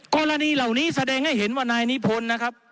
กรณีเหล่านี้แสดงให้เห็นว่านายนิพนธ์นะครับ